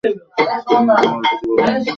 কেন, তোমার কি কিছু বলার আছে?